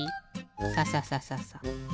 サササササ。